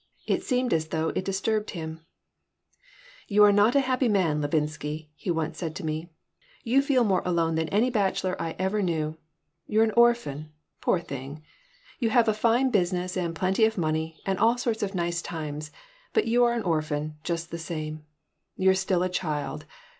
It seemed as though it disturbed him "You are not a happy man, Levinsky," he once said to me. "You feel more alone than any bachelor I ever knew. You're an orphan, poor thing. You have a fine business and plenty of money and all sorts of nice times, but you are an orphan, just the same. You're still a child.